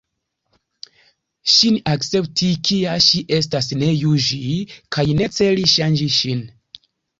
Ŝin akcepti, kia ŝi estas, ne juĝi kaj ne celi ŝanĝi ŝin.